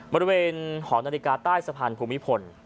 บริเวณหอนาฬิกาใต้สะพานภูมิพล